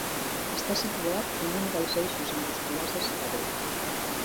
Està situat en un dels eixos industrials de Sabadell.